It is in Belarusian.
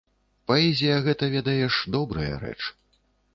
Паэзія, гэта, ведаеш, добрая рэч.